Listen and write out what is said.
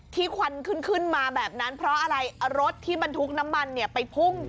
ที่ควันขึ้นมาแบบนั้นเพราะรถที่บนทุกน้ำมันไปหุ้ง